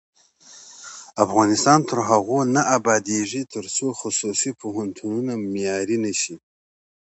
افغانستان تر هغو نه ابادیږي، ترڅو خصوصي پوهنتونونه معیاري نشي.